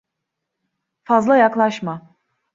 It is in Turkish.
Fazla yaklaşma.